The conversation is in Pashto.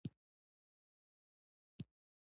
د مایکروسکوپ په واسطه د شیانو معاینه کول صورت نیسي.